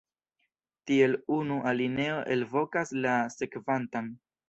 Tiel unu alineo elvokas la sekvantan.